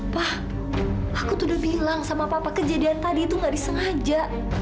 wah aku tuh udah bilang sama papa kejadian tadi itu gak disengaja